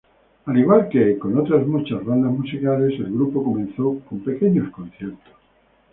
Al igual que con otras muchas bandas musicales, el grupo comenzó con pequeños conciertos.